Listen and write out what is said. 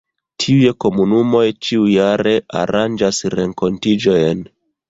Tiuj komunumoj ĉiujare aranĝas renkontiĝojn.